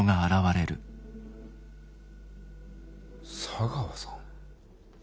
茶川さん？